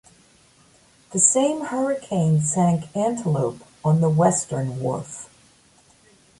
The same hurricane sank "Antelope" on the western wharf.